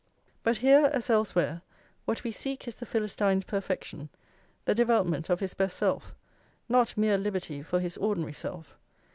But here, as elsewhere, what we seek is the Philistine's perfection, the development of his best self, not mere liberty for his ordinary self.